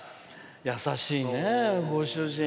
優しいね、ご主人。